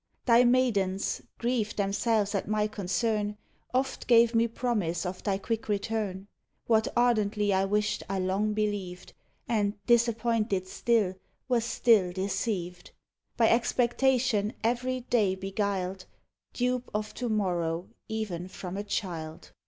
Thy maidens, grieved themselves at my concern, Oft gave me promise of thy quick return; What ardently I wished 1 long believed, Ami, disappointed still, was still deceived, — IJy expectation every day beguiled, hope of to morrow even from a child.